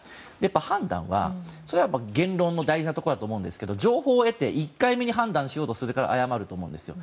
判断は言論の大事なところだと思うんですけど情報を得て１回目に判断しようとするから誤ると思うんですよ。